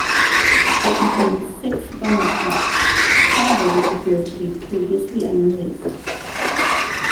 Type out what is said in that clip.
It contains six bonus tracks, five of which appear to be "previously unreleased".